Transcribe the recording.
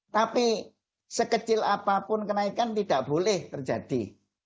tapi sekecil apapun kenaikan tidak boleh terjadi